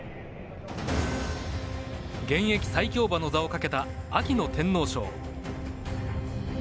現役最強馬の座をかけた秋の天皇賞。